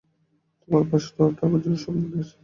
তোমাদের পাশে লড়াটা আমার জন্য সম্মানের।